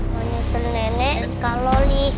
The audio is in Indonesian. mau nyusul nenek kak loli